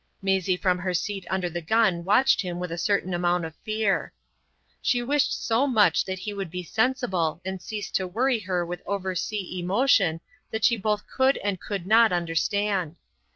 Maisie from her seat under the gun watched him with a certain amount of fear. She wished so much that he would be sensible and cease to worry her with over sea emotion that she both could and could not understand.